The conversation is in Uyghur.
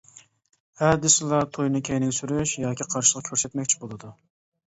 ھە دېسىلا توينى كەينىگە سۈرۈش ياكى قارشىلىق كۆرسەتمەكچى بولىدۇ.